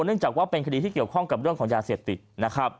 เนื่องจากว่าเป็นคดีที่เกี่ยวข้องกับเรื่องของยาเสพติดนะครับ